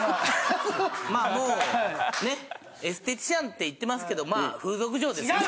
まあもうねエステティシャンって言ってますけど風俗嬢ですね。